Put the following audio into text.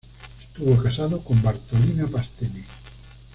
Estuvo casado con Bartolina Pastene.